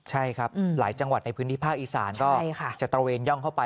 ใช่ครับหลายจังหวัดในพื้นที่ภาคอีสานก็จะตระเวนย่องเข้าไป